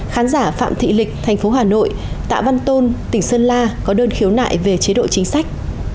khán giả phạm thị lịch thành phố hà nội tạ văn tôn tỉnh sơn la có đơn khiếu nại về chế độ chính sách